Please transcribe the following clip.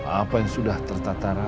apa yang sudah tertatara